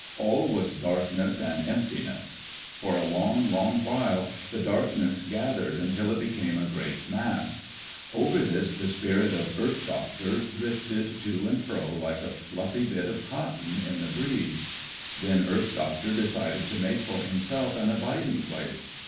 All was darkness and emptiness. For a long, long while, the darkness gathered until it became a great mass. Over this the spirit of Earth Doctor drifted to and fro like a fluffy bit of cotton in the breeze. Then Earth Doctor decided to make for himself an abiding place.